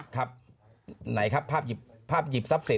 ครับไหนครับภาพหยิบทรัพย์สิน